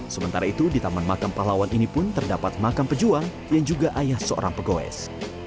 sementara itu di taman makam pahlawan ini pun terdapat makam pejuang yang juga ayah seorang pegoes